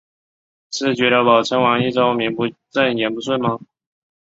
是觉得我称王益州名不正言不顺吗？